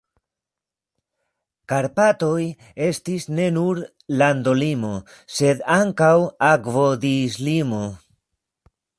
Karpatoj estis ne nur landolimo, sed ankaŭ akvodislimo.